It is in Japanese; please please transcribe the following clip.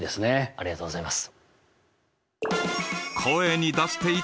ありがとうございます。